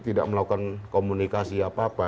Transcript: tidak melakukan komunikasi apa apa